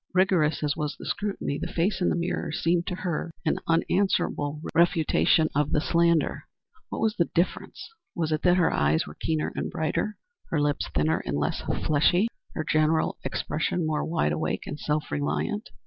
Rigorous as was the scrutiny, the face in the mirror seemed to her an unanswerable refutation of the slander. What was the difference? Was it that her eyes were keener and brighter, her lips thinner and less fleshly, her general expression more wide awake and self reliant?